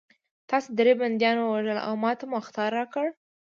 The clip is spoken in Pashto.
تاسې درې بندیان ووژل او ماته مو اخطار راکړ